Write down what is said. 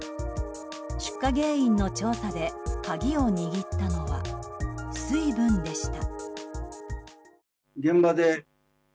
出火原因の調査で鍵を握ったのは水分でした。